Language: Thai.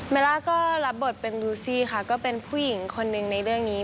ล่าก็รับบทเป็นรูซี่ค่ะก็เป็นผู้หญิงคนหนึ่งในเรื่องนี้